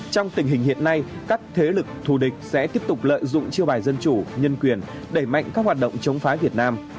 trong tình hình hiện nay các thế lực thù địch sẽ tiếp tục lợi dụng chiêu bài dân chủ nhân quyền đẩy mạnh các hoạt động chống phá việt nam